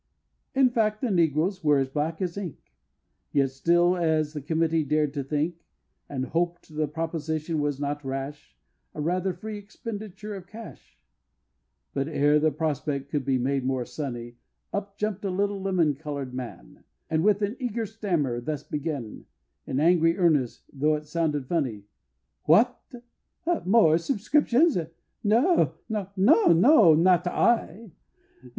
"In fact, the Negroes were as black as ink, Yet, still as the Committee dared to think, And hoped the proposition was not rash, A rather free expenditure of cash " But ere the prospect could be made more sunny Up jump'd a little, lemon colored man, And with an eager stammer, thus began, In angry earnest, though it sounded funny: "What! More subscriptions! No no no, not I!"